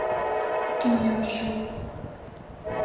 Ad kem-yeṛju.